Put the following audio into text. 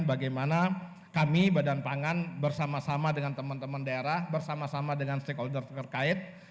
bagaimana kami badan pangan bersama sama dengan teman teman daerah bersama sama dengan stakeholder terkait